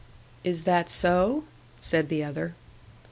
"Is that so?" said the other.